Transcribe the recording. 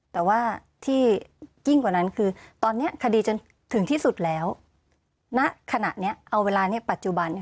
แต่ว่าที่ยิ่งกว่านั้นคือตอนนี้คดีจนถึงที่สุดแล้วณขณะนี้เอาเวลานี้ปัจจุบัน